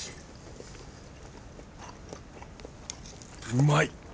うまい！